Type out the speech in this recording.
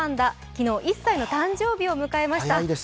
昨日１歳の誕生日を迎えました。